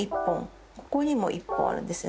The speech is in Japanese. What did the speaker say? ここにも１本あるんです。